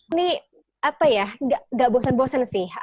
ini apa ya nggak bosen bosen sih